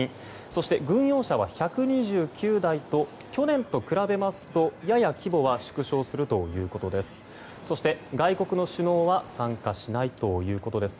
そして、軍用車は１２９台と去年と比べますとやや規模は縮小するということです。